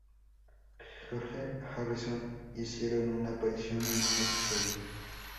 George Harrison hicieron una aparición en un episodio.